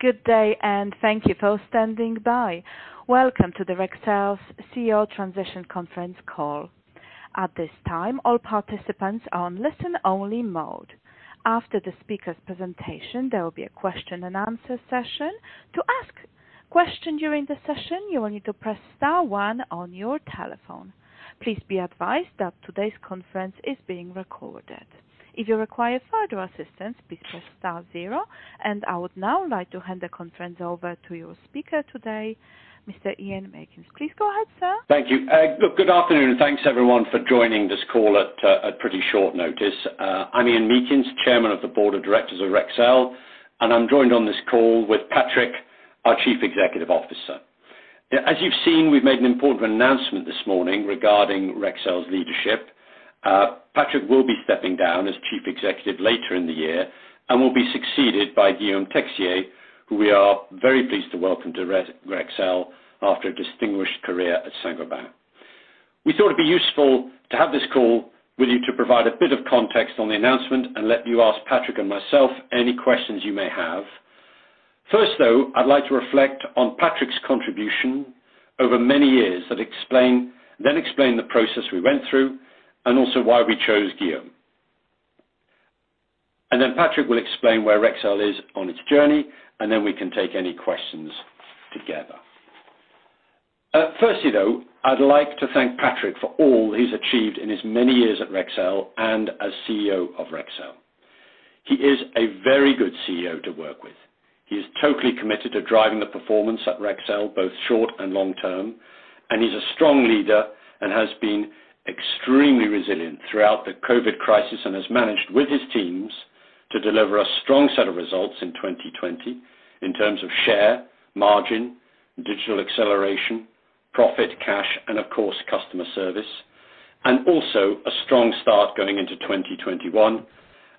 Good day, and thank you for standing by. Welcome to the Rexel's CEO Transition Conference Call. At this time, all participants are on listen-only mode. After the speaker's presentation, there will be a question and answer session. To ask a question during the session, you will need to press star one on your telephone. Please be advised that today's conference is being recorded. If you require further assistance, please press star zero. I would now like to hand the conference over to your speaker today, Mr. Ian Meakins. Please go ahead, sir. Thank you. Good afternoon, and thanks, everyone, for joining this call at pretty short notice. I'm Ian Meakins, Chairman of the Board of Directors of Rexel, and I'm joined on this call with Patrick, our Chief Executive Officer. As you've seen, we've made an important announcement this morning regarding Rexel's leadership. Patrick will be stepping down as Chief Executive later in the year and will be succeeded by Guillaume Texier, who we are very pleased to welcome to Rexel after a distinguished career at Saint-Gobain. We thought it'd be useful to have this call with you to provide a bit of context on the announcement and let you ask Patrick and myself any questions you may have. First, though, I'd like to reflect on Patrick's contribution over many years, then explain the process we went through and also why we chose Guillaume. Then Patrick will explain where Rexel is on its journey, and then we can take any questions together. Firstly, though, I'd like to thank Patrick for all he's achieved in his many years at Rexel and as CEO of Rexel. He is a very good CEO to work with. He is totally committed to driving the performance at Rexel, both short and long term, and he's a strong leader and has been extremely resilient throughout the COVID crisis and has managed with his teams to deliver a strong set of results in 2020 in terms of share, margin, digital acceleration, profit, cash, and of course, customer service. Also a strong start going into 2021,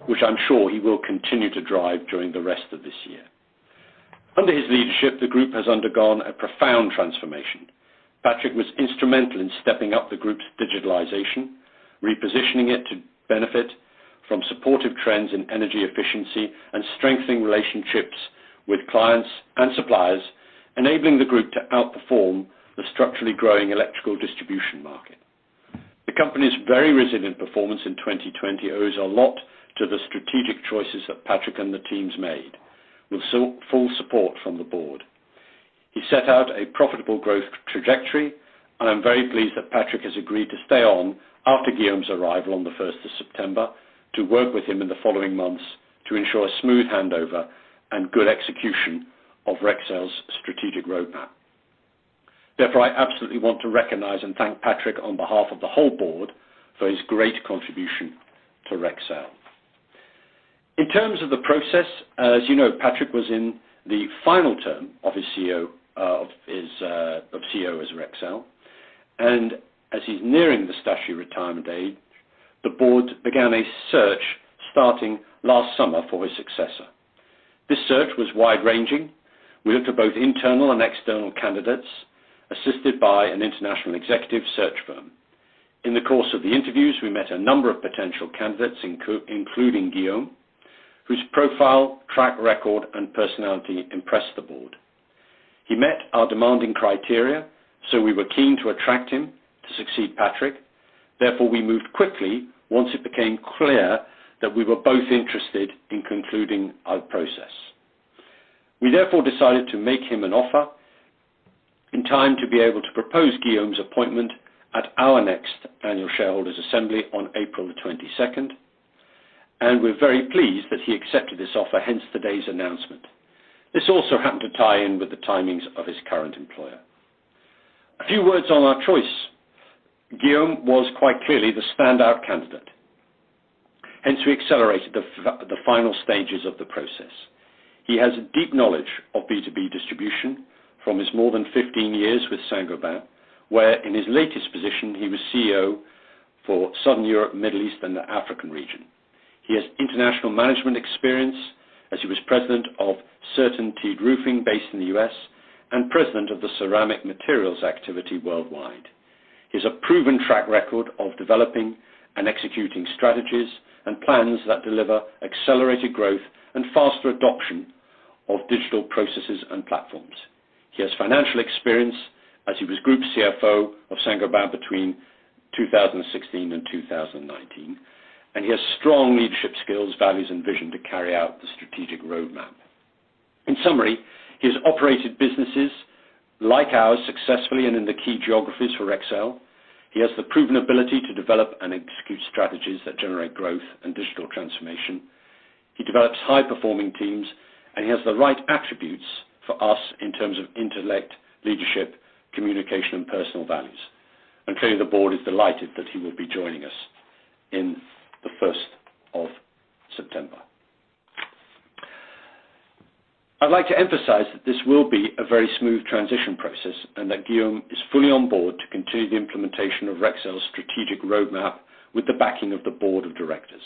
which I'm sure he will continue to drive during the rest of this year. Under his leadership, the group has undergone a profound transformation. Patrick was instrumental in stepping up the group's digitalization, repositioning it to benefit from supportive trends in energy efficiency and strengthening relationships with clients and suppliers, enabling the group to outperform the structurally growing electrical distribution market. The company's very resilient performance in 2020 owes a lot to the strategic choices that Patrick and the teams made with full support from the Board. He set out a profitable growth trajectory. I am very pleased that Patrick has agreed to stay on after Guillaume's arrival on the 1st of September to work with him in the following months to ensure a smooth handover and good execution of Rexel's strategic roadmap. I absolutely want to recognize and thank Patrick on behalf of the whole Board for his great contribution to Rexel. In terms of the process, as you know, Patrick was in the final term of CEO as Rexel, and as he's nearing the statutory retirement date, the board began a search starting last summer for his successor. This search was wide-ranging. We looked at both internal and external candidates, assisted by an international executive search firm. In the course of the interviews, we met a number of potential candidates, including Guillaume, whose profile, track record, and personality impressed the board. He met our demanding criteria, so we were keen to attract him to succeed Patrick. Therefore, we moved quickly once it became clear that we were both interested in concluding our process. We therefore decided to make him an offer in time to be able to propose Guillaume's appointment at our next annual shareholders assembly on April 22nd. We're very pleased that he accepted this offer, hence today's announcement. This also happened to tie in with the timings of his current employer. A few words on our choice. Guillaume was quite clearly the standout candidate, hence we accelerated the final stages of the process. He has a deep knowledge of B2B distribution from his more than 15 years with Saint-Gobain, where in his latest position, he was CEO for Southern Europe, Middle East, and the African region. He has international management experience as he was President of CertainTeed Roofing, based in the U.S., and President of the ceramic materials activity worldwide. He has a proven track record of developing and executing strategies and plans that deliver accelerated growth and faster adoption of digital processes and platforms. He has financial experience as he was Group CFO of Saint-Gobain between 2016 and 2019, and he has strong leadership skills, values, and vision to carry out the strategic roadmap. In summary, he has operated businesses like ours successfully and in the key geographies for Rexel. He has the proven ability to develop and execute strategies that generate growth and digital transformation. He develops high performing teams, and he has the right attributes for us in terms of intellect, leadership, communication, and personal values. I'm telling you, the Board is delighted that he will be joining us in the 1st of September. I'd like to emphasize that this will be a very smooth transition process and that Guillaume is fully on board to continue the implementation of Rexel's strategic roadmap with the backing of the Board of Directors.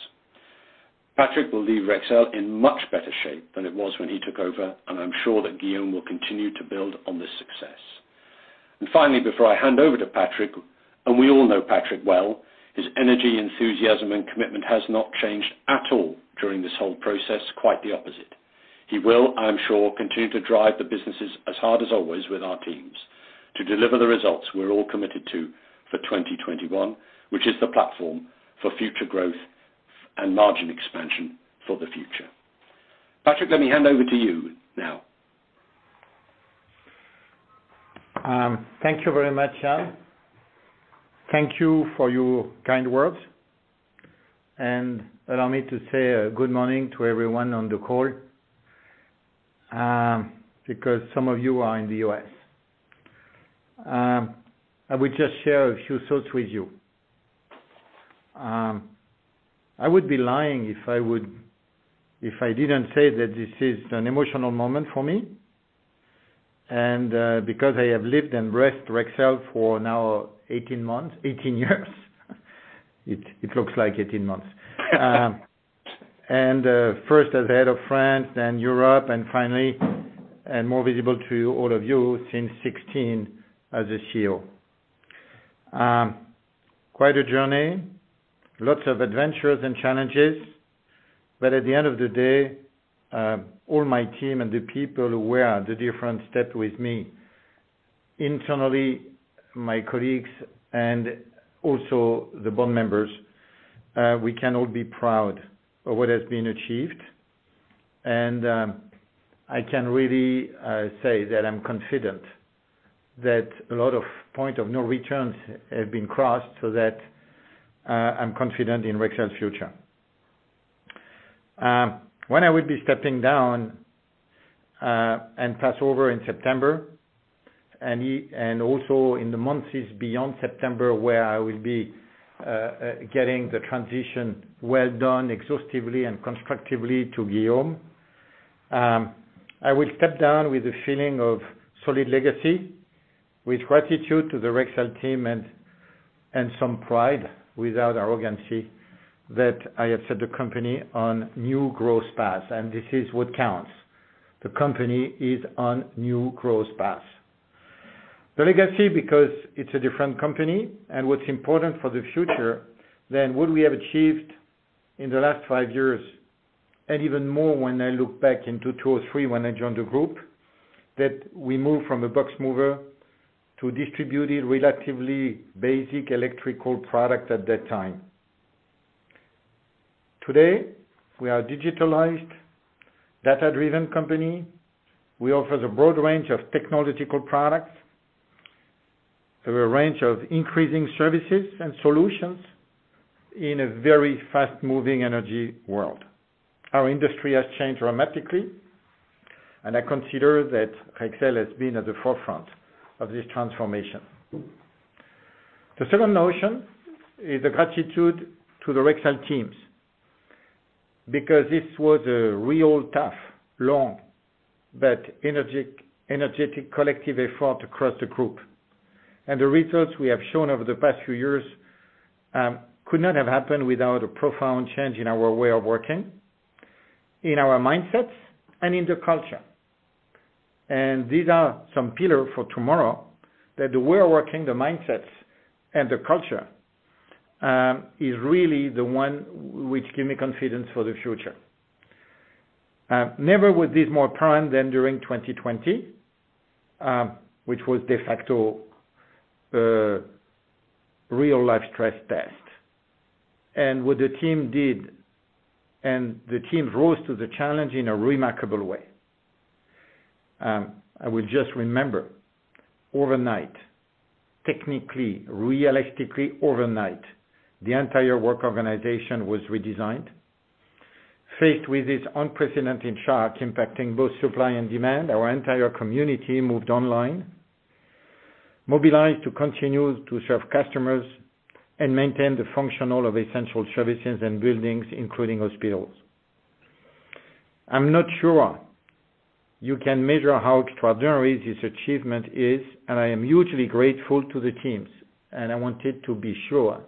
Patrick will leave Rexel in much better shape than it was when he took over, and I'm sure that Guillaume will continue to build on this success. Finally, before I hand over to Patrick, and we all know Patrick well, his energy, enthusiasm, and commitment has not changed at all during this whole process. Quite the opposite. He will, I'm sure, continue to drive the businesses as hard as always with our teams to deliver the results we're all committed to for 2021, which is the platform for future growth and margin expansion for the future. Patrick, let me hand over to you now. Thank you very much, Ian. Thank you for your kind words. Allow me to say good morning to everyone on the call, because some of you are in the U.S. I will just share a few thoughts with you. I would be lying if I didn't say that this is an emotional moment for me, because I have lived and breathed Rexel for now 18 months— 18 years. It looks like 18 months. First as head of France, then Europe, and finally, and more visible to all of you, since 2016 as a CEO. Quite a journey. Lots of adventures and challenges. At the end of the day, all my team and the people who were at the different step with me, internally, my colleagues and also the Board members, we can all be proud of what has been achieved. I can really say that I'm confident that a lot of point of no returns have been crossed, so that I'm confident in Rexel's future. When I will be stepping down and pass over in September, and also in the months beyond September where I will be getting the transition well done exhaustively and constructively to Guillaume, I will step down with a feeling of solid legacy, with gratitude to the Rexel team and some pride, without arrogancy, that I have set the company on new growth path. And this is what counts. The company is on new growth path. The legacy, because it's a different company, and what's important for the future than what we have achieved in the last five years, and even more when I look back into two or three when I joined the group, that we moved from a box mover to distributed relatively basic electrical product at that time. Today, we are digitalized, data-driven company. We offer the broad range of technological products. We have a range of increasing services and solutions in a very fast-moving energy world. Our industry has changed dramatically, and I consider that Rexel has been at the forefront of this transformation. The second notion is the gratitude to the Rexel teams, because this was a real tough, long, but energetic collective effort across the group. The results we have shown over the past few years could not have happened without a profound change in our way of working, in our mindsets, and in the culture. These are some pillar for tomorrow, that the way of working, the mindsets, and the culture is really the one which give me confidence for the future. Never was this more apparent than during 2020, which was de facto a real-life stress test. What the team did and the team rose to the challenge in a remarkable way. I will just remember, overnight, technically, realistically overnight, the entire work organization was redesigned. Faced with this unprecedented shock impacting both supply and demand, our entire community moved online, mobilized to continue to serve customers and maintain the functionality of essential services and buildings, including hospitals. I'm not sure you can measure how extraordinary this achievement is. I am hugely grateful to the teams. I wanted to be sure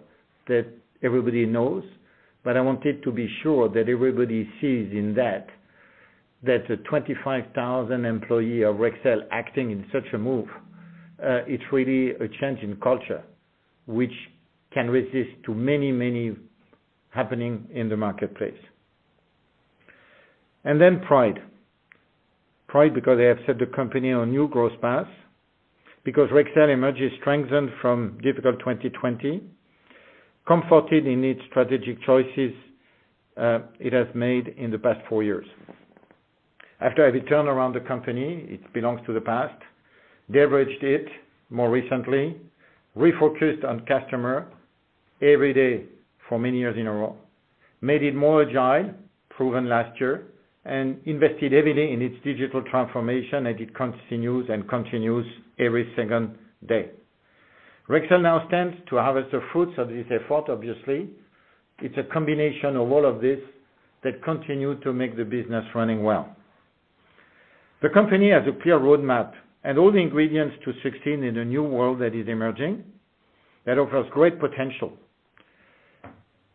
that everybody knows. I wanted to be sure that everybody sees in that the 25,000 employee of Rexel acting in such a move, it's really a change in culture, which can resist to many happening in the marketplace. Pride. Pride because I have set the company on new growth path, because Rexel emerges strengthened from difficult 2020, comforted in its strategic choices it has made in the past four years. After I have turned around the company, it belongs to the past, leveraged it more recently, refocused on customer every day for many years in a row, made it more agile, proven last year, and invested heavily in its digital transformation. It continues and continues every single day. Rexel now stands to harvest the fruits of this effort, obviously. It's a combination of all of this that continue to make the business running well. The company has a clear roadmap and all the ingredients to succeed in a new world that is emerging, that offers great potential.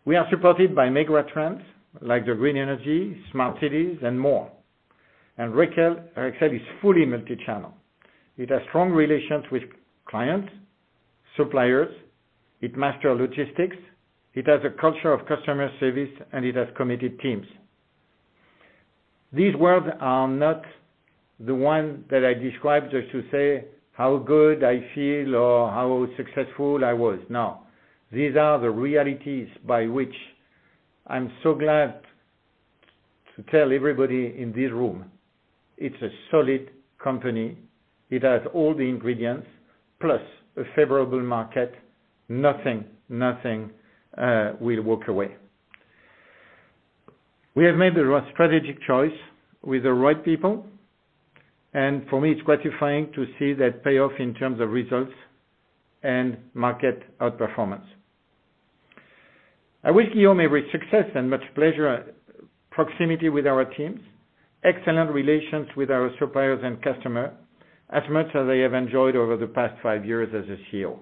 We are supported by mega trends like green energy, smart cities, and more. Rexel is fully multi-channel. It has strong relations with clients, suppliers, it masters logistics, it has a culture of customer service, and it has committed teams. These words are not the ones that I described just to say how good I feel or how successful I was. No. These are the realities by which I'm so glad to tell everybody in this room, it's a solid company. It has all the ingredients, plus a favorable market. Nothing, nothing will walk away. We have made the right strategic choice with the right people, and for me, it's gratifying to see that pay off in terms of results and market outperformance. I wish Guillaume every success and much pleasure, proximity with our teams, excellent relations with our suppliers and customers, as much as I have enjoyed over the past five years as a CEO.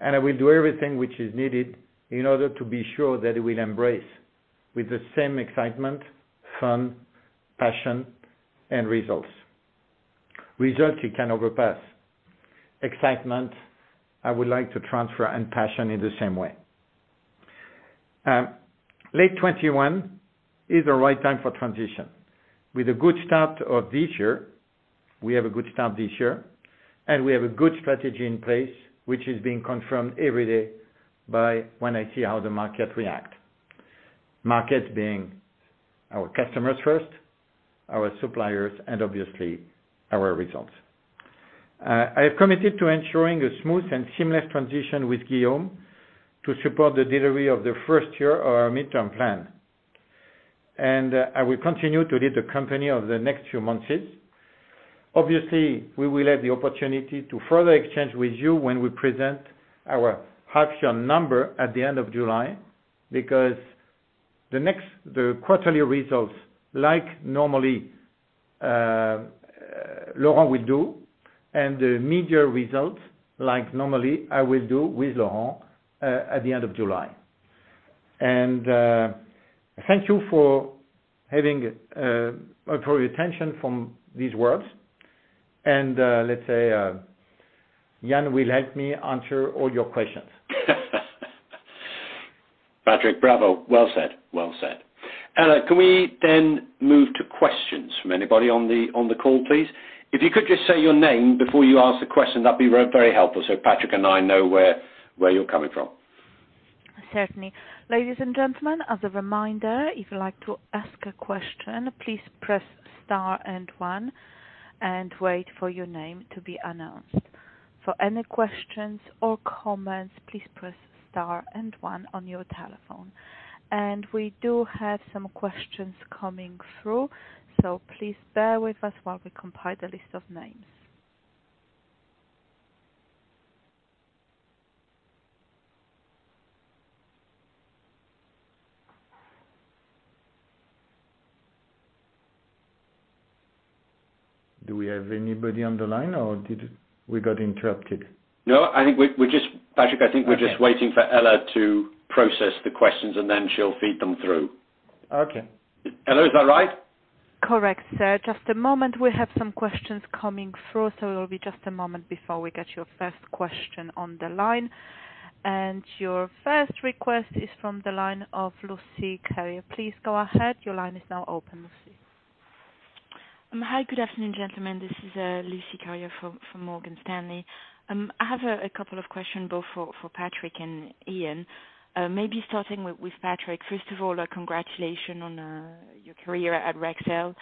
I will do everything which is needed in order to be sure that he will embrace with the same excitement, fun, passion, and results. Results he can overpass. Excitement, I would like to transfer, and passion in the same way. Late 2021 is the right time for transition. With a good start of this year, we have a good start this year, and we have a good strategy in place, which is being confirmed every day by when I see how the market reacts. Market being our customers first, our suppliers, and obviously our results. I have committed to ensuring a smooth and seamless transition with Guillaume to support the delivery of the first year of our midterm plan. I will continue to lead the company over the next few months. Obviously, we will have the opportunity to further exchange with you when we present our half-year number at the end of July, because the quarterly results, like normally, Laurent will do, and the mid-year results, like normally, I will do with Laurent, at the end of July. Thank you for your attention from these words. Let's say Ian will help me answer all your questions. Patrick, bravo. Well said. Ella, can we then move to questions from anybody on the call, please? If you could just say your name before you ask the question, that'd be very helpful, so Patrick and I know where you're coming from. Certainly. Ladies and gentlemen, as a reminder, if you'd like to ask a question, please press star and one and wait for your name to be announced. For any questions or comments, please press star and one on your telephone. We do have some questions coming through, so please bear with us while we compile the list of names. Do we have anybody on the line, or we got interrupted? No, i mean, which is.. Patrick, I think we're just waiting for Ella to process the questions, and then she'll feed them through. Okay. Ella, is that right? Correct, sir. Just a moment. We have some questions coming through, so it'll be just a moment before we get your first question on the line. Your first request is from the line of Lucie Carrier. Please go ahead. Your line is now open, Lucie. Hi. Good afternoon, gentlemen. This is Lucie Carrier from Morgan Stanley. I have a couple of questions both for Patrick and Ian. Maybe starting with Patrick. First of all, a congratulations on your career at Rexel,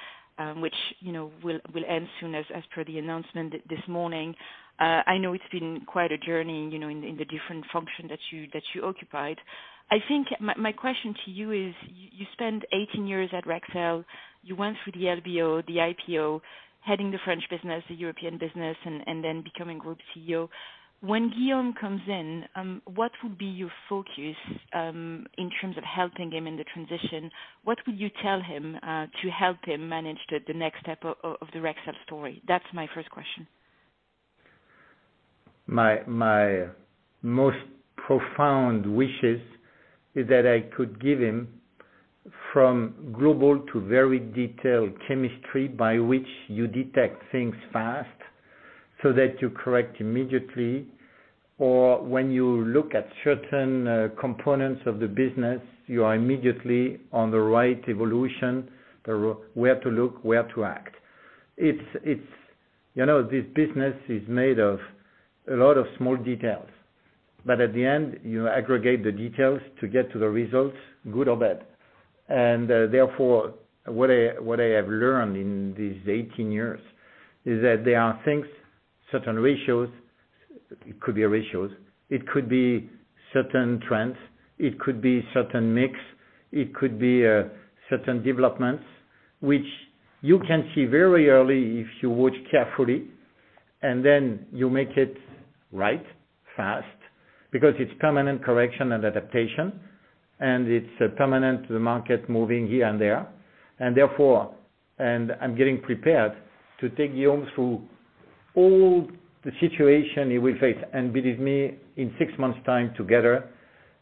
which will end soon, as per the announcement this morning. I know it's been quite a journey in the different functions that you occupied. I think my question to you is, you spent 18 years at Rexel. You went through the LBO, the IPO, heading the French business, the European business, then becoming Group CEO. When Guillaume comes in, what would be your focus, in terms of helping him in the transition? What would you tell him to help him manage the next step of the Rexel story? That's my first question. My most profound wishes is that I could give him from global to very detailed chemistry by which you detect things fast so that you correct immediately. When you look at certain components of the business, you are immediately on the right evolution, where to look, where to act. This business is made of a lot of small details. At the end, you aggregate the details to get to the results, good or bad. Therefore, what I have learned in these 18 years is that there are things, certain ratios, it could be ratios, it could be certain trends, it could be certain mix, it could be certain developments, which you can see very early if you watch carefully, and then you make it right fast because it's permanent correction and adaptation, and it's permanent to the market moving here and there. I'm getting prepared to take Guillaume through all the situation he will face, and believe me, in six months' time together,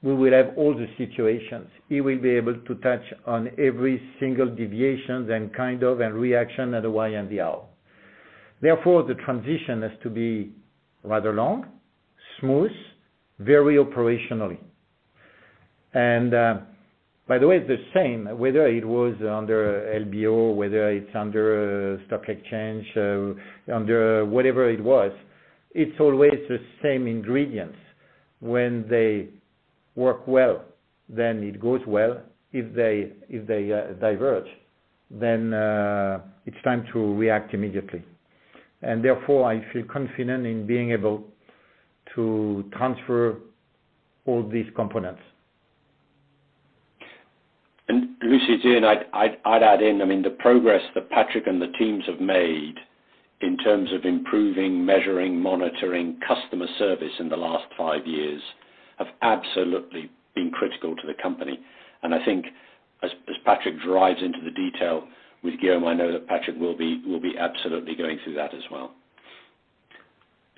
we will have all the situations. He will be able to touch on every single deviations and kind of reaction at why and the how. Therefore, the transition has to be rather long, smooth, very operationally. By the way, it's the same, whether it was under LBO, whether it's under stock exchange, under whatever it was. It's always the same ingredients. When they work well, then it goes well. If they diverge, then it's time to react immediately. Therefore, I feel confident in being able to transfer all these components. Lucie, Ian, I'd add in, the progress that Patrick and the teams have made in terms of improving, measuring, monitoring customer service in the last five years have absolutely been critical to the company. I think as Patrick drives into the detail with Guillaume, I know that Patrick will be absolutely going through that as well.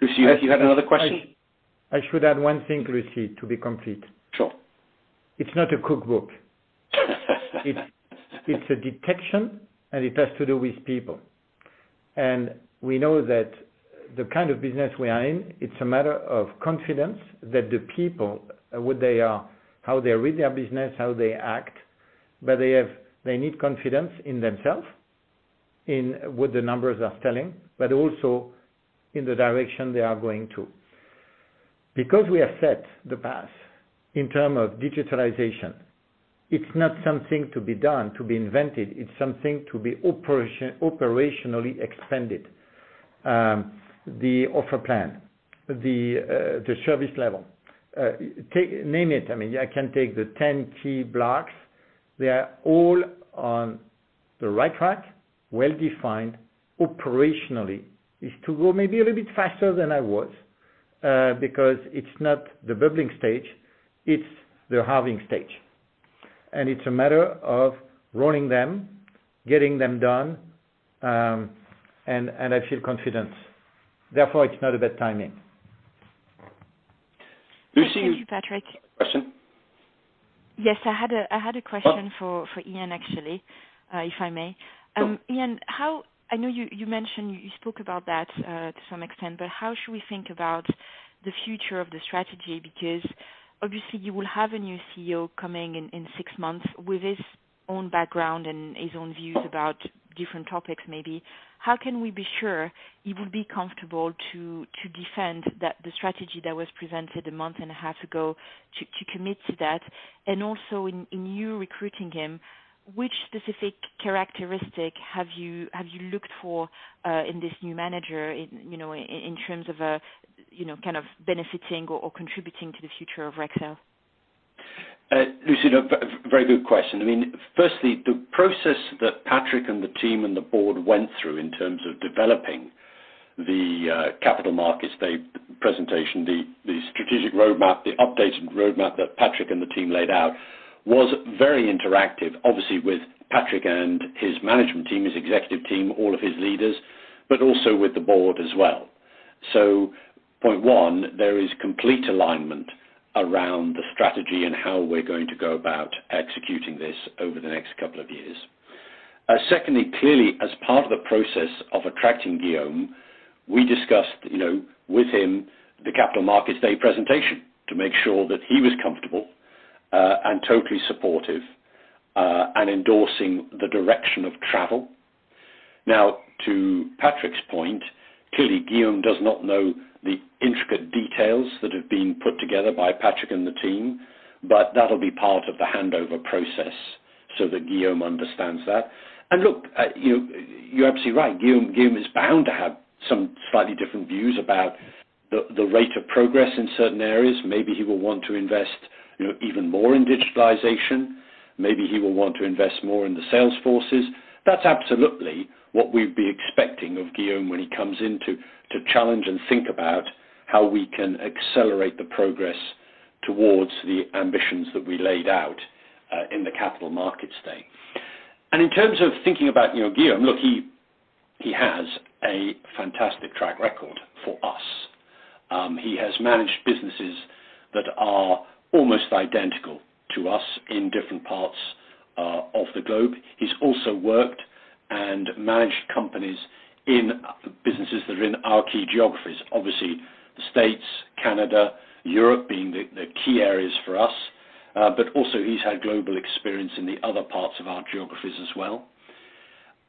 Lucie, you had another question? I should add one thing, Lucie, to be complete. Sure. It's not a cookbook. It's a detection, and it has to do with people. We know that the kind of business we are in, it's a matter of confidence that the people, how they read their business, how they act, but they need confidence in themselves, in what the numbers are telling, but also in the direction they are going to. We have set the path in terms of digitalization, it's not something to be done, to be invented. It's something to be operationally expanded. The offer plan, the service level, name it. I can take the 10 key blocks. They are all on the right track, well-defined operationally. It's to go maybe a little bit faster than I was, because it's not the bubbling stage, it's the halving stage. It's a matter of rolling them, getting them done, and I feel confident. Therefore, it's not a bad timing. Lucie. Thank you, Patrick. Question? Yes. I had a question for Ian, actually, if I may. Sure. Ian, I know you spoke about that to some extent, but how should we think about the future of the strategy? Obviously you will have a new CEO coming in six months with his own background and his own views about different topics, maybe. How can we be sure he will be comfortable to defend the strategy that was presented a month and a half ago, to commit to that? Also in you recruiting him, which specific characteristic have you looked for, in this new manager in terms of benefiting or contributing to the future of Rexel? Lucie, a very good question. Firstly, the process that Patrick and the team and the Board went through in terms of developing the Capital Markets Day presentation, the strategic roadmap, the updated roadmap that Patrick and the team laid out, was very interactive, obviously, with Patrick and his management team, his executive team, all of his leaders, but also with the Board as well. Point one, there is complete alignment around the strategy and how we're going to go about executing this over the next couple of years. Secondly, clearly, as part of the process of attracting Guillaume, we discussed with him the Capital Markets Day presentation to make sure that he was comfortable and totally supportive and endorsing the direction of travel. Now, to Patrick's point, clearly, Guillaume does not know the intricate details that have been put together by Patrick and the team, but that'll be part of the handover process so that Guillaume understands that. Look, you're absolutely right. Guillaume is bound to have some slightly different views about the rate of progress in certain areas. Maybe he will want to invest even more in digitalization. Maybe he will want to invest more in the sales forces. That's absolutely what we'd be expecting of Guillaume when he comes in to challenge and think about how we can accelerate the progress towards the ambitions that we laid out in the Capital Markets Day. In terms of thinking about Guillaume, look, he has a fantastic track record for us. He has managed businesses that are almost identical to us in different parts of the globe. He's also worked and managed companies in businesses that are in our key geographies. Obviously, States, Canada, Europe being the key areas for us. Also he's had global experience in the other parts of our geographies as well.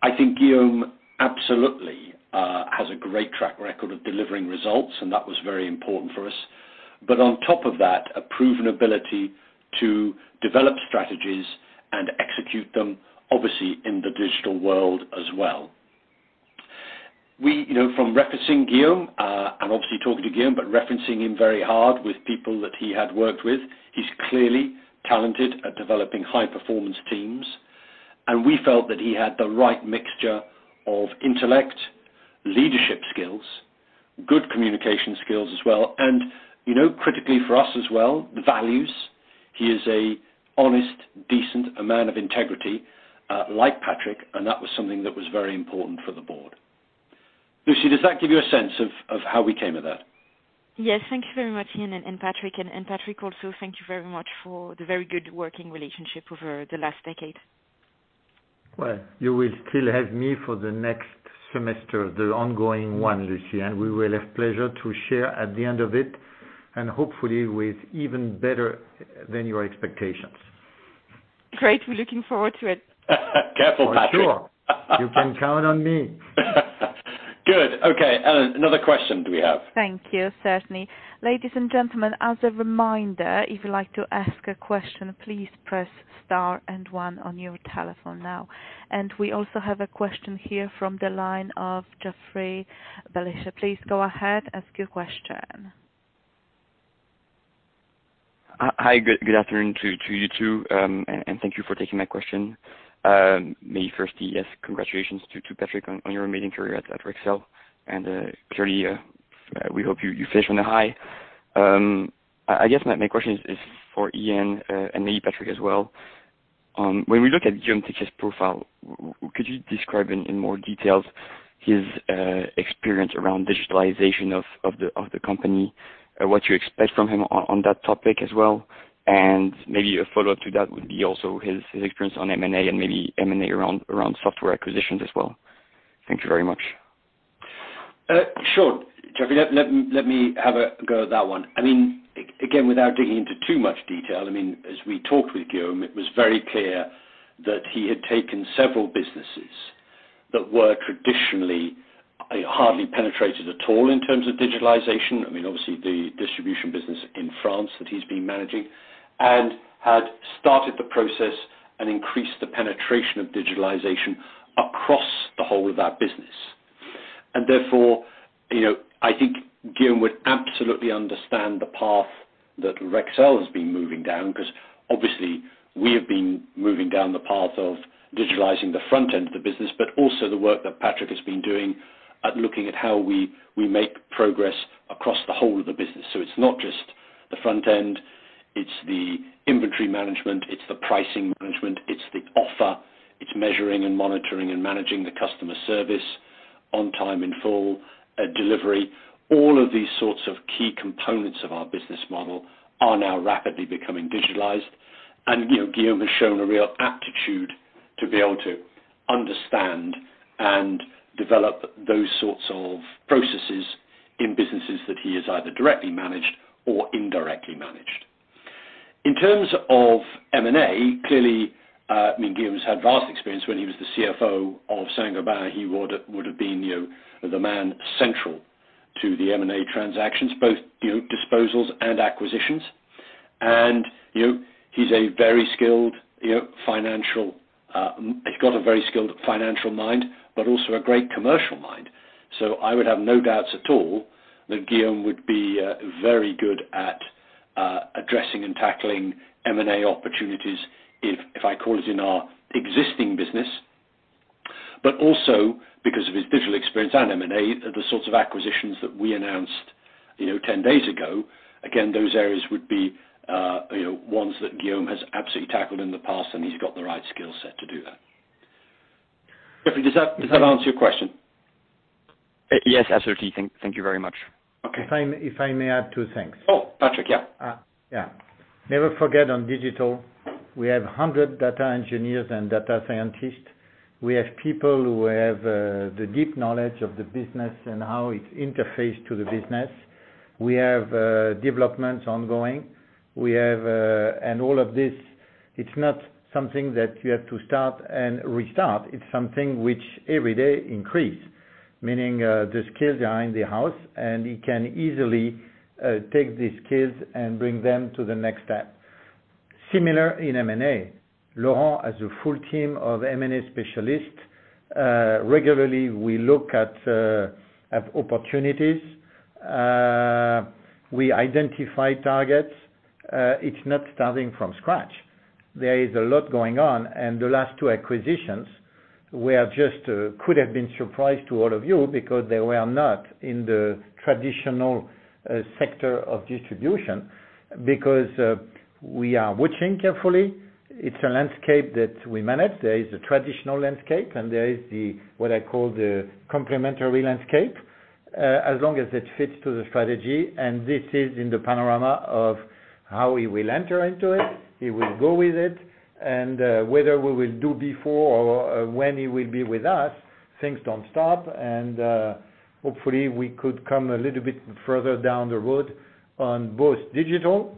I think Guillaume absolutely has a great track record of delivering results, that was very important for us. On top of that, a proven ability to develop strategies and execute them, obviously, in the digital world as well. From referencing Guillaume, obviously talking to Guillaume, referencing him very hard with people that he had worked with, he's clearly talented at developing high-performance teams. We felt that he had the right mixture of intellect, leadership skills, good communication skills as well, and critically for us as well, the values. He is an honest, decent, a man of integrity, like Patrick, and that was something that was very important for the board. Lucie, does that give you a sense of how we came at that? Yes. Thank you very much, Ian and Patrick. Patrick also, thank you very much for the very good working relationship over the last decade. Well, you will still have me for the next semester, the ongoing one, Lucie. We will have pleasure to share at the end of it, and hopefully with even better than your expectations. Great. We're looking forward to it. Careful, Patrick. For sure. You can count on me. Good. Okay. Ella, another question we have. Thank you. Certainly. Ladies and gentlemen, as a reminder, if you'd like to ask a question, please press star and one on your telephone now. We also have a question here from the line of Jeffrey Belicia. Please go ahead, ask your question. Hi. Good afternoon to you two. Thank you for taking my question. May 1st, yes, congratulations to Patrick on your amazing career at Rexel. And clearly, we hope you finish on a high. I guess my question is for Ian, maybe Patrick as well. When we look at Guillaume Texier's profile, could you describe in more details his experience around digitalization of the company, what you expect from him on that topic as well? Maybe a follow-up to that would be also his experience on M&A and maybe M&A around software acquisitions as well. Thank you very much. Sure, Jeffrey. Let me have a go at that one. Again, without digging into too much detail, as we talked with Guillaume, it was very clear that he had taken several businesses that were traditionally hardly penetrated at all in terms of digitalization. Obviously, the distribution business in France that he's been managing, and had started the process and increased the penetration of digitalization across the whole of that business. Therefore, I think Guillaume would absolutely understand the path that Rexel has been moving down, because obviously we have been moving down the path of digitalizing the front end of the business, but also the work that Patrick has been doing at looking at how we make progress across the whole of the business. It's not just the front end, it's the inventory management, it's the pricing management, it's the offer, it's measuring and monitoring and managing the customer service on time in full, delivery. All of these sorts of key components of our business model are now rapidly becoming digitalized. Guillaume has shown a real aptitude to be able to understand and develop those sorts of processes in businesses that he has either directly managed or indirectly managed. In terms of M&A, clearly, Guillaume's had vast experience when he was the CFO of Saint-Gobain. He would've been the man central to the M&A transactions, both disposals and acquisitions. He's got a very skilled financial mind, but also a great commercial mind. I would have no doubts at all that Guillaume would be very good at addressing and tackling M&A opportunities, if I call it, in our existing business. Also because of his digital experience and M&A, the sorts of acquisitions that we announced 10 days ago, again, those areas would be ones that Guillaume has absolutely tackled in the past, and he's got the right skill set to do that. Jeffrey, does that answer your question? Yes, absolutely. Thank you very much. Okay. If I may add two things. Oh, Patrick. Yeah. Yeah. Never forget on digital, we have 100 data engineers and data scientists. We have people who have the deep knowledge of the business and how it interface to the business. We have developments ongoing. All of this, it's not something that you have to start and restart. It's something which every day increase, meaning the skills are in the house, and he can easily take these skills and bring them to the next step. Similar in M&A. Laurent has a full team of M&A specialists. Regularly we look at opportunities. We identify targets. It's not starting from scratch. There is a lot going on, and the last two acquisitions could have been surprise to all of you because they were not in the traditional sector of distribution because we are watching carefully. It's a landscape that we manage. There is a traditional landscape, and there is the, what I call the complementary landscape, as long as it fits to the strategy, and this is in the panorama of how he will enter into it. He will go with it, and whether we will do before or when he will be with us, things don't stop. Hopefully we could come a little bit further down the road on both digital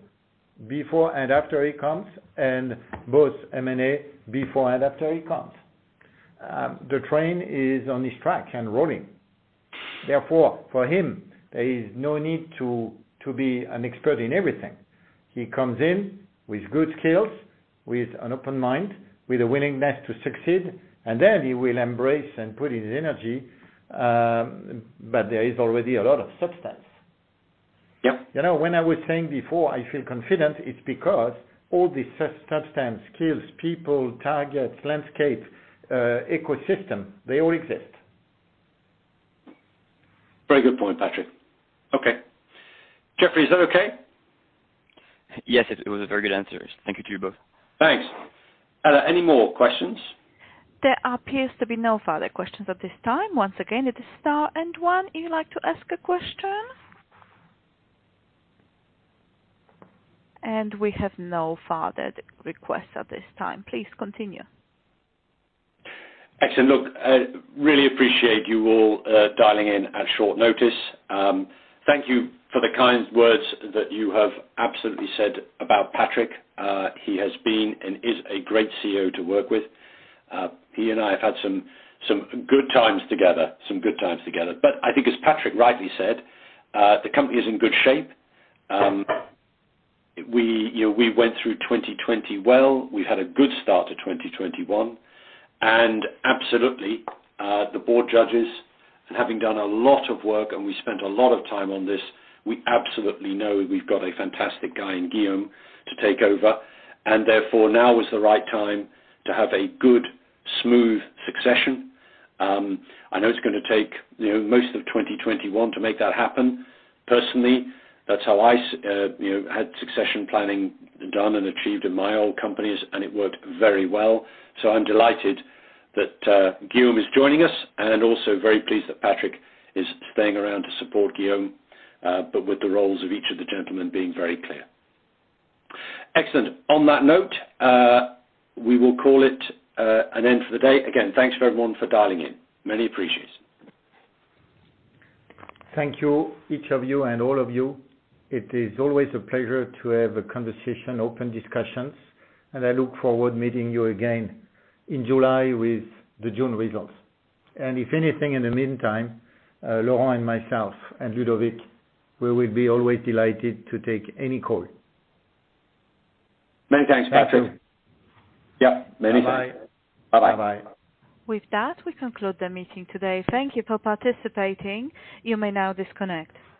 before and after he comes, and both M&A before and after he comes. The train is on this track and rolling. Therefore, for him, there is no need to be an expert in everything. He comes in with good skills, with an open mind, with a willingness to succeed, and then he will embrace and put his energy, but there is already a lot of substance. Yep. When I was saying before I feel confident, it's because all the substance, skills, people, targets, landscape, ecosystem, they all exist. Very good point, Patrick. Okay. Jeffrey, is that okay? It was a very good answer. Thank you to you both. Thanks. Ella, any more questions? There appears to be no further questions at this time. Once again, it is star and one if you'd like to ask a question. We have no further requests at this time. Please continue. Excellent. Look, really appreciate you all dialing in at short notice. Thank you for the kind words that you have absolutely said about Patrick. He has been and is a great CEO to work with. He and I have had some good times together. I think as Patrick rightly said, the company is in good shape. We went through 2020 well, we've had a good start to 2021, and absolutely, the board judges, and having done a lot of work and we spent a lot of time on this, we absolutely know we've got a fantastic guy in Guillaume to take over, and therefore now is the right time to have a good, smooth succession. I know it's going to take most of 2021 to make that happen. Personally, that's how I had succession planning done and achieved in my old companies, and it worked very well. I'm delighted that Guillaume is joining us and also very pleased that Patrick is staying around to support Guillaume, but with the roles of each of the gentlemen being very clear. Excellent. On that note, we will call it an end for the day. Again, thanks everyone for dialing in. Much appreciated. Thank you, each of you and all of you. It is always a pleasure to have a conversation, open discussions, and I look forward meeting you again in July with the June results. If anything in the meantime, Laurent and myself and Ludovic, we will be always delighted to take any call. Many thanks, Patrick. Thank you. Yep. Many. Bye-bye. Bye-bye. With that, we conclude the meeting today. Thank you for participating. You may now disconnect.